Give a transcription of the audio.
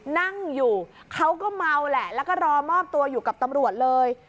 นั่งอยู่เขาก็เมาแหละแล้วก็รอมอบตัวอยู่กับตำรวจเลย